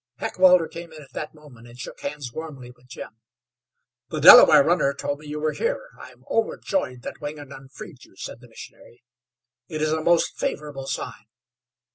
Heckewelder came in at that moment, and shook hands warmly with Jim. "The Delaware runner told me you were here. I am overjoyed that Wingenund freed you," said the missionary. "It is a most favorable sign.